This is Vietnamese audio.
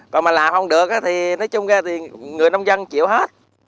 còn mà làm không được thì nói chung ra thì người nông dân chịu hết